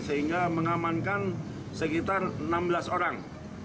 sehingga mengamankan sekitar enam belas orang